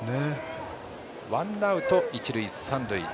ワンアウト、一塁、三塁。